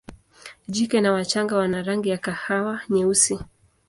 Jike na wachanga wana rangi ya kahawa nyeusi.